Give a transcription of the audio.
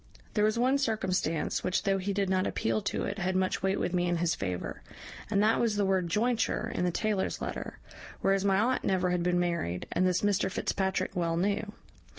"There was one circumstance which, though he did not appeal to it, had much weight with me in his favour, and that was the word jointure in the taylor's letter, whereas my aunt never had been married, and this Mr Fitzpatrick well knew.